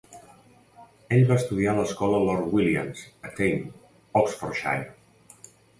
Ell va estudiar a l'escola Lord Williams, a Thame, Oxfordshire.